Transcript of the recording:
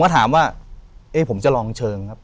ก็ถามว่าเอ๊ะผมจะลองเชิงครับ